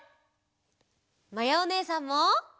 まやおねえさんも！